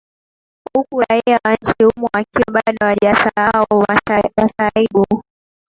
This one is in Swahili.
huku raia wa nchini humo wakiwa bado hawajasahau masahibu